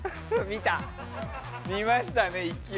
見ましたね、１球。